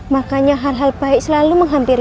makanya hal hal baik selalu menghampiri